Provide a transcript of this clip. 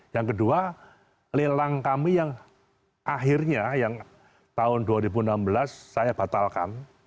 yang kedua lelang kami yang akhirnya yang tahun dua ribu enam belas saya batalkan